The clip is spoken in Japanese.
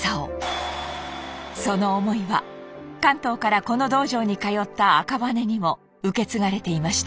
その思いは関東からこの道場に通った赤羽根にも受け継がれていました。